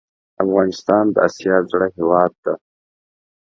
افغانستان د اسیا زړه هیواد ده